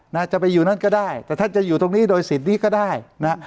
จะไปอยู่นั่นก็ได้แต่ท่านจะอยู่ตรงนี้โดยสิทธิ์นี้ก็ได้นะฮะ